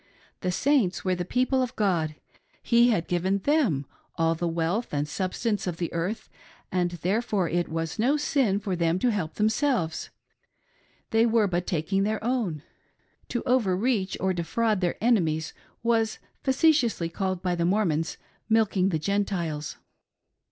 The Saints were the people of God :— He had given them all the wealth and substance of the earth, and therefore it was no sin for them to help them selves— they were but taking their own. To over reach or defraud their enemies was facetiously called by the Mormons " milking the Gentiles."